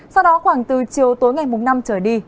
sau đó khoảng từ chiều tối ngày mùng năm trở đi